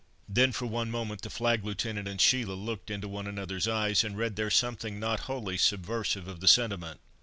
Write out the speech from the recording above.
Then, for one moment, the Flag Lieutenant and Sheila looked into one another's eyes, and read there something not wholly subversive of the sentiment.